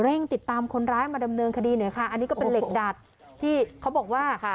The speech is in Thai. ติดตามคนร้ายมาดำเนินคดีหน่อยค่ะอันนี้ก็เป็นเหล็กดัดที่เขาบอกว่าค่ะ